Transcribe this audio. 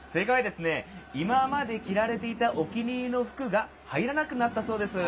今まで着られていたお気に入りの服が入らなくなったそうです。